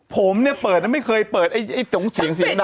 ผมเนี่ยเปิดนะไม่เคยเปิดไอ้จงเสียงเสียงดัง